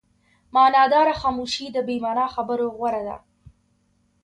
معناداره خاموشي د بې معنا خبرو غوره ده.